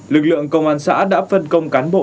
lực lượng công an xã đã phân công cán bộ